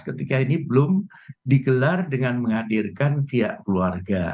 ketika ini belum digelar dengan menghadirkan pihak keluarga